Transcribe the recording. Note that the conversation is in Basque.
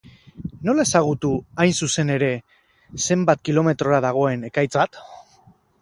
Nola ezagutu, hain zuzen ere, zenbat kilometrora dagoen ekaitz bat?